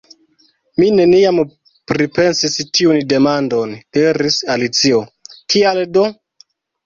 "Mi neniam pripensis tiun demandon," diris Alicio. "Kial do?"